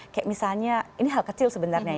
sesuai dengan kondisi syariahnya tadi